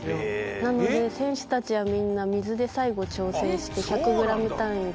なので、選手たちはみんな、水で最後調整して、１００グラム単位で。